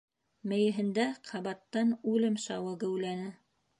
Мейеһендә ҡабаттан үлем шауы геүләне.